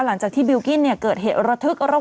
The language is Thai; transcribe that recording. หลังจากที่บิลกิ้นเกิดเหตุระทึกระหว่าง